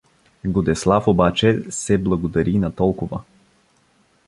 Годеслав обаче се благодари и на толкова.